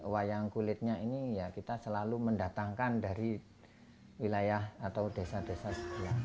wayang kulitnya ini ya kita selalu mendatangkan dari wilayah atau desa desa